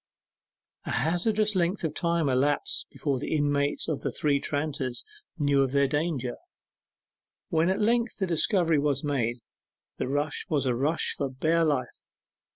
A hazardous length of time elapsed before the inmates of the Three Tranters knew of their danger. When at length the discovery was made, the rush was a rush for bare life.